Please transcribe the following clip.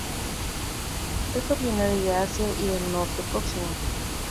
Es originaria de Asia y del Oriente Próximo.